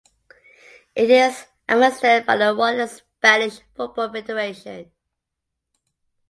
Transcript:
It is administered by the Royal Spanish Football Federation.